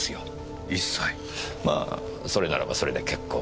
まあそれならばそれで結構。